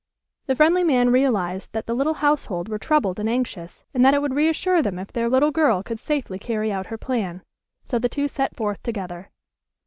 The friendly man realized that the little household were troubled and anxious, and that it would reassure them if their little girl could safely carry out her plan. So the two set forth together.